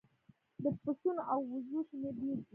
د پسونو او وزو شمیر ډیر دی